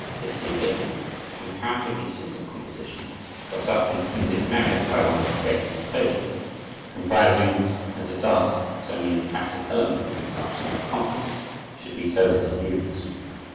It is singular that a comparatively simple composition, of such intrinsic merit, by one of the great composers, comprising, as it does, so many attractive elements in such small compass, should be so little used.